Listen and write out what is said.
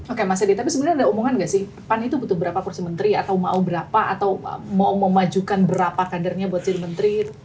oke mas edi tapi sebenarnya ada omongan nggak sih pan itu butuh berapa kursi menteri atau mau berapa atau mau memajukan berapa kadernya buat jadi menteri